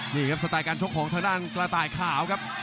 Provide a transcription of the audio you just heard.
นี่ครับสไตลการชกของทางด้านกระต่ายขาวครับ